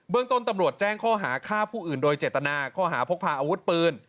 เรื่องต้นตำรวจแจ้งข้อหาฆ่าผู้อื่นโดยเจตนาข้อหาพกพาอาวุธปืน